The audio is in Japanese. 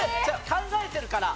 考えてるから！